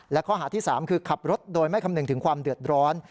และข้อหาที่๓คือขับรถโดยไม่คำนึงถึงความเดือดร้อน